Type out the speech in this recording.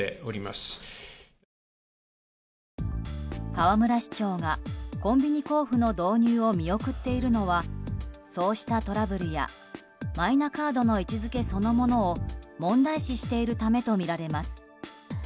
河村市長がコンビニ交付の導入を見送っているのはそうしたトラブルやマイナカードの位置づけそのものを問題視しているためとみられます。